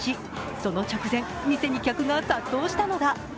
その直前、店に客が殺到したのだ。